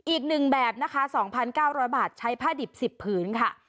อีก๑แบบนะคะ๒๙๐๐บาทใช้ผ้าดิบ๑๐ผืนค่ะ